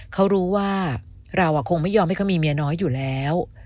เขารู้ว่าเราคงไม่ยอมให้เขามีเมียน้อยอยู่แล้ว